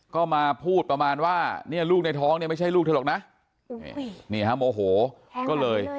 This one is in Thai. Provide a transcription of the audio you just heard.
ก็มาพูดประมาณว่านี่ลูกในท้องไม่ใช่ลูกเธอหรอกนะ